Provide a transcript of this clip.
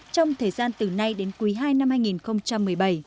trong thời gian từ nay đến quý ii năm hai nghìn một mươi bảy